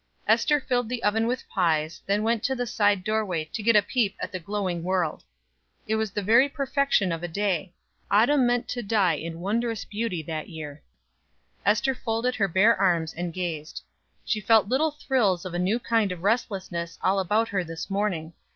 Ester filled the oven with pies, then went to the side doorway to get a peep at the glowing world. It was the very perfection of a day autumn meant to die in wondrous beauty that year. Ester folded her bare arms and gazed. She felt little thrills of a new kind of restlessness all about her this morning.